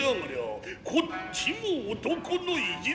こっちも男の意地